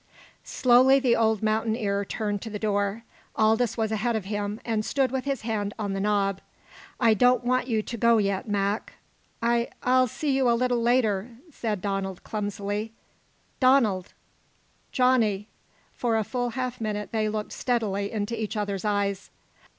Slowly the old mountaineer turned to the door. Aldous was ahead of him, and stood with his hand on the knob. "I don't want you to go yet, Mac." "I I'll see you a little later," said Donald clumsily. "Donald!" "Johnny!" For a full half minute they looked steadily into each other's eyes.